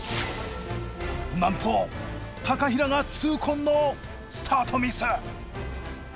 なんと平が痛恨のスタートミス！